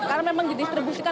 karena memang didistribusikan